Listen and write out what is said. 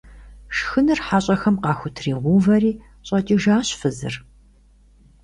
Шхыныр хьэщӀэхэм къахутригъэувэри щӏэкӏыжащ фызыр.